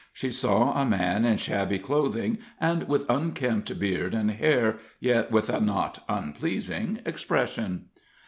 She saw a man in shabby clothing and with unkempt beard and hair, yet with a not unpleasing expression.